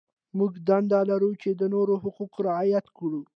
موږ دنده لرو چې د نورو حقوق رعایت کړو.